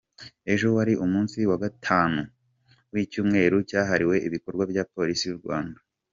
Ejo wari umunsi wa gatanu w’icyumweru cyahariwe ibikorwa bya Polisi y’u Rwanda.